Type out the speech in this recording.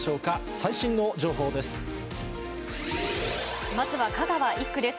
最新の情報です。